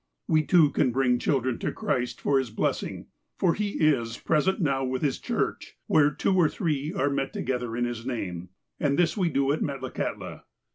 " We too can bring children to Christ for His blessing (for He is present now with His Church — where two or three are met together in His name), and this we do at Metlakahtla.